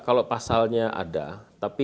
kalau pasalnya ada tapi